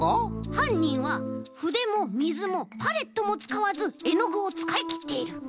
はんにんはふでもみずもパレットもつかわずえのぐをつかいきっている。